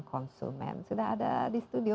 konsumen sudah ada di studio